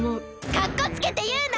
かっこつけていうな！